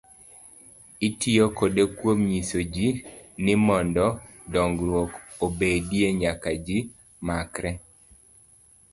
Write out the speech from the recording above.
Itiyo kode kuom nyiso ji, ni mondo dongruok obedie, nyaka ji makre.